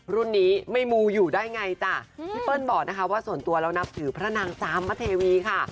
รุ่นนี้ไม่มูอยู่ได้ไงจ้ะพี่เปิ้ลบอกนะคะว่าส่วนตัวเรานับถือพระนางจามเทวีค่ะ